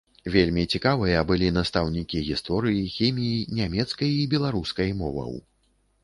Вельмі цікавыя былі настаўнікі гісторыі, хіміі, нямецкай і беларускай моваў.